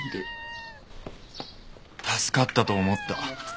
助かったと思った。